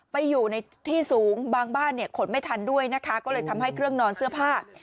ไปอยู่ในที่สูงบางบ้านเนี่ยขนไม่ทันด้วยนะคะก็เลยทำให้เครื่องนอนเสื้อผ้า